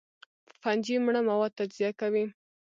فنجي مړه مواد تجزیه کوي